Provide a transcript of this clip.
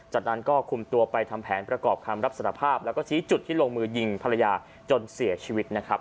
จากนั้นก็คุมตัวไปทำแผนประกอบคำรับสารภาพแล้วก็ชี้จุดที่ลงมือยิงภรรยาจนเสียชีวิตนะครับ